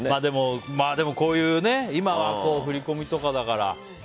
でもこういう今は振込みとかだから。